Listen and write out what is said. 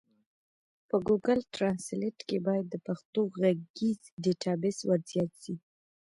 په ګوګل ټرانزلېټ کي بايد د پښتو ږغيز ډيټابيس ورزيات سي.